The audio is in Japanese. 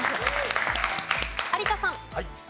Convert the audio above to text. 有田さん。